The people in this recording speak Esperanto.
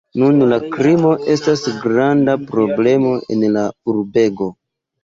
Nun la krimo estas granda problemo en la urbego.